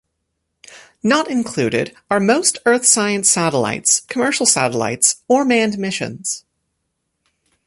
Not included are most earth science satellites, commercial satellites or manned missions.